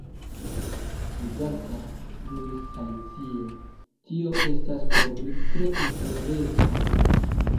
"Mi dankas," diris Alicio, "tio estas por mi tre interesa. »